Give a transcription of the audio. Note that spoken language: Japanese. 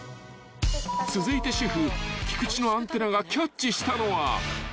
［続いて主婦菊地のアンテナがキャッチしたのは］